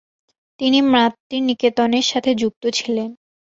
তিনি মাতৃনিকেতনের সাথে যুক্ত ছিলেন।